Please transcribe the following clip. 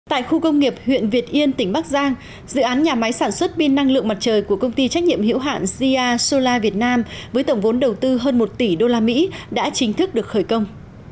tại khu công nghiệp huyện việt yên tỉnh bắc giang dự án nhà máy sản xuất pin năng lượng mặt trời của công ty trách nhiệm hiệu hạn gar sola việt nam với tổng vốn đầu tư hơn một tỷ usd đã chính thức được khởi công